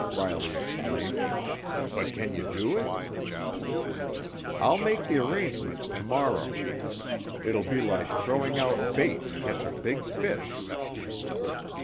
Riley exclaimed. "But can you do it?" "I'll make the arrangements to morrow. It'll be like throwing out bait to catch a big fish."